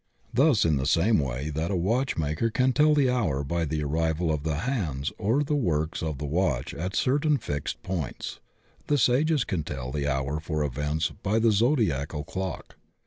Thus in the same way that a watchmaker can tell the hour by the arrival of the hands or the works of the watch at certain fixed points, the Sages can tell the hour for events by the Zodiacal clock.